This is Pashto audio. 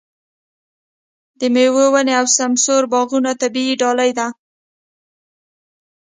د مېوو ونې او سمسور باغونه طبیعي ډالۍ ده.